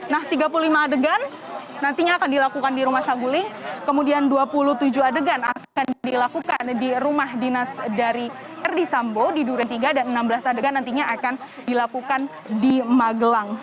nah tiga puluh lima adegan nantinya akan dilakukan di rumah saguling kemudian dua puluh tujuh adegan akan dilakukan di rumah dinas dari verdi sambo di duren tiga dan enam belas adegan nantinya akan dilakukan di magelang